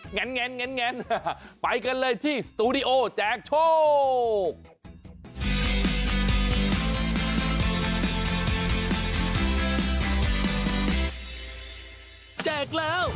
แนนไปกันเลยที่สตูดิโอแจกโชค